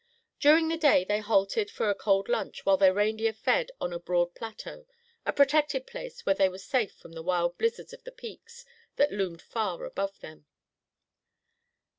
During the day they halted for a cold lunch while their reindeer fed on a broad plateau, a protected place where they were safe from the wild blizzards of the peaks that loomed far above them.